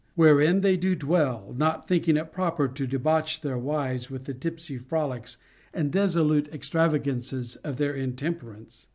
Wherein they do well, not thinking it proper to debauch their wives with the tipsy frolics and dissolute extravagances of their in temperance.